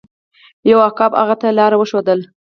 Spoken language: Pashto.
یو عقاب هغه ته لاره وښودله.